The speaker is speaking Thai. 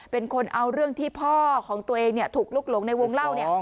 เป็นคนเอาเรื่องที่พ่อของตัวเองถูกลุกหลงในวงเล่าเนี่ย